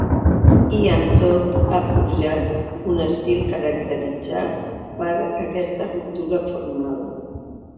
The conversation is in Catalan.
I, amb tot, ha forjat un estil caracteritzat per aquesta ruptura formal.